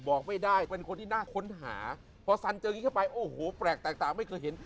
บอกไม่ได้เป็นคนที่น่าค้นหาพอสันเจอกันไปโอ้โหแปลกต่างไม่เคยเห็น